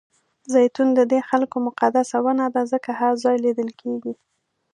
زیتون ددې خلکو مقدسه ونه ده ځکه هر ځای لیدل کېږي.